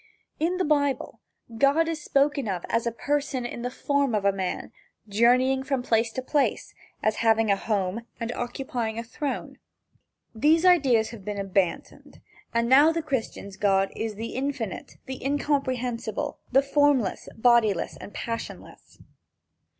In the Bible God is spoken of as a person in the form of man, journeying from place to place, as having a home and occupying a throne. These ideas have been abandoned, and now the Christian's God is the infinite, the incomprehensible, the formless, bodiless and passionless.